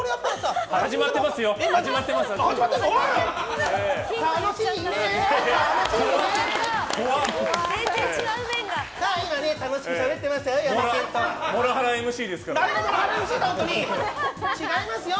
始まっていますよ！